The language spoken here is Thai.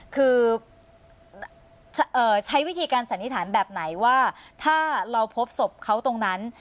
คือใช้วิธีการสันนิษฐานแบบไหนว่าถ้าเราพบศพเขาตรงนั้น